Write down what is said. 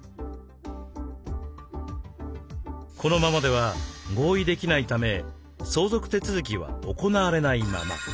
このままでは合意できないため相続手続きは行われないまま。